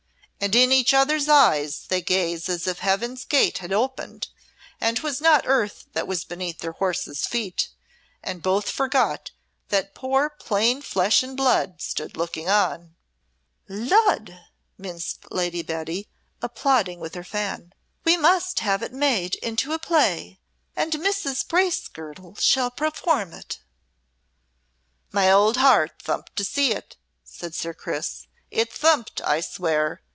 And in each other's eyes they gaze as if Heaven's gate had opened, and 'twas not earth that was beneath their horses' feet, and both forgot that poor plain flesh and blood stood looking on!" "Lud!" minced Lady Betty, applauding with her fan. "We must have it made into a play and Mrs. Bracegirdle shall perform it." "My old heart thumped to see it!" said Sir Chris; "it thumped, I swear!"